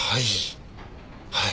はい。